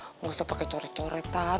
tidak usah pakai coret coretan